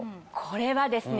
これはですね